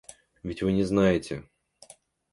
Ведь вы не знаете.